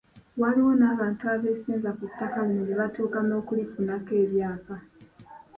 Waliwo n'abantu abeesenza ku ttaka lino nebatuuka n'okulifunako ebyapa.